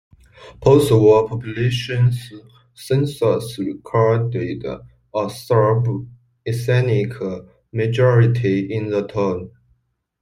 Post-war population censuses recorded a Serb ethnic majority in the town.